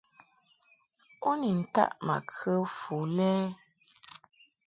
U ni taʼ ma kə fu lɛ ɛ ?